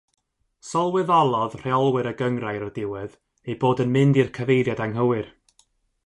Sylweddolodd rheolwyr y gynghrair o'r diwedd eu bod yn mynd i'r cyfeiriad anghywir.